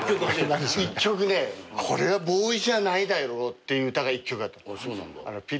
これはＢＷＹじゃないだろっていう歌が１曲あった。